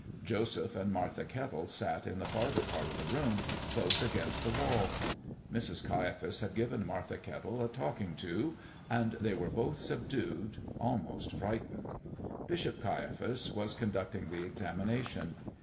Joseph and Martha Kettle sat in the farther part of the room, close against the wall. Mrs. Caiaphas had given Martha Kettle a "talking to," and they were both subdued, almost frightened. Bishop Caiaphas was conducting the examination.